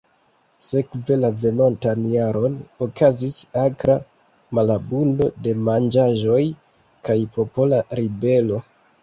Sekve la venontan jaron okazis akra malabundo de manĝaĵoj kaj popola ribelo.